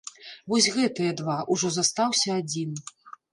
Вось гэтыя два, ужо застаўся адзін.